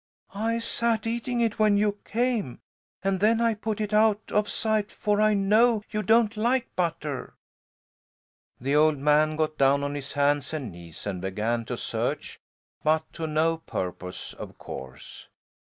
"I sat eating it when you came, and then I put it out of sight for, I know you don't like butter." The old man got down on his hands and knees and began to search, but to no purpose, of course.